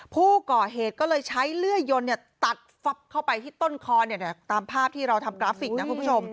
ผู้ก่อเหตุก็เลยใช้เลื่อยยนตัดฟับเข้าไปที่ต้นคอตามภาพที่เราทำกราฟิกนะคุณผู้ชม